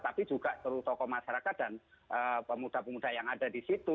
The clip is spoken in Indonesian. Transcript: tapi juga seluruh tokoh masyarakat dan pemuda pemuda yang ada di situ